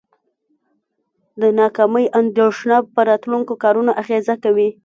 د ناکامۍ اندیښنه په راتلونکو کارونو اغیزه کوي.